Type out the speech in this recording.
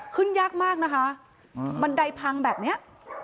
ยากมากนะคะบันไดพังแบบนี้